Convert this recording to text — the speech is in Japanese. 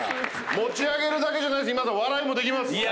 持ち上げるだけじゃなしに今田さん笑いもできます。